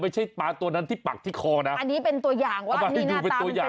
ไม่ใช่ปลาตัวนั้นที่ปักที่คอนะอันนี้เป็นตัวอย่างว่าอันนี้หน้าตาเป็นแบบนี้